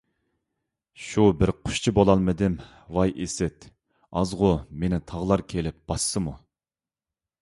شۇ بىر قۇشچە بولالمىدىم ۋاي ئىسىت، ئازغۇ مېنى تاغلار كېلىپ باسسىمۇ.